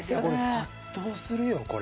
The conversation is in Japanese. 殺到するよこれ。